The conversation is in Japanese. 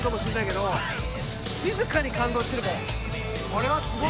これはすごい。